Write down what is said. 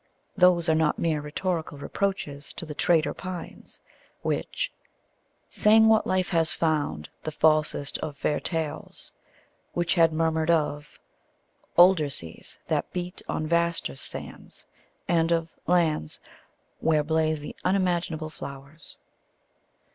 Those are not mere rhetorical reproaches to the "traitor pines" which sang what life has found The falsest of fair tales; which had murmured of older seas That beat on vaster sands, and of lands Where blaze the unimaginable flowers.